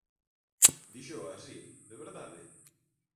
Díxoo así, de verdade?